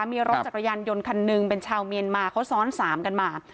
มีรถจักรยานยนต์คันหนึ่งเป็นชาวเมียนมาเขาซ้อนสามกันมา